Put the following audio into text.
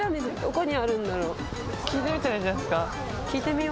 聞いてみたらいいんじゃないっすか？